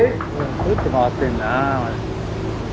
ぐるっと回ってんな。